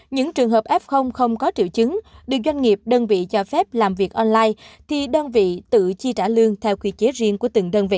những trường hợp f không có triệu chứng được doanh nghiệp đơn vị cho phép làm việc online thì đơn vị tự chi trả lương theo quy chế riêng của từng đơn vị